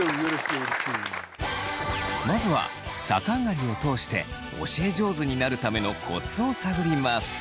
まずは逆上がりを通して教え上手になるためのコツを探ります。